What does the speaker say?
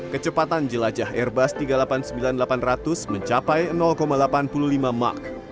kecepatan jelajah airbus tiga ratus delapan puluh sembilan delapan ratus mencapai delapan puluh lima mak